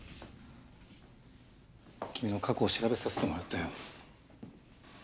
君の過去を調べさせてもらったよ。